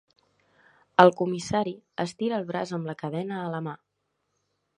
El comissari estira el braç amb la cadena a la mà.